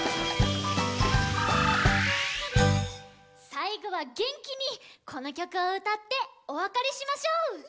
さいごはげんきにこのきょくをうたっておわかれしましょう！